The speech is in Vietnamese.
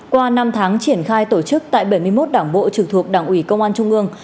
qua năm tháng triển khai tổ chức tại bảy mươi một đảng bộ trực thuộc đảng ủy công an trung ương